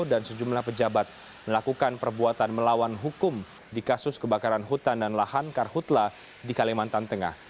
dan sejumlah pejabat melakukan perbuatan melawan hukum di kasus kebakaran hutan dan lahan karhutla di kalimantan tengah